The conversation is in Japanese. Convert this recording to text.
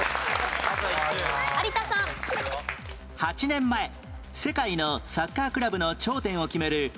８年前世界のサッカークラブの頂点を決める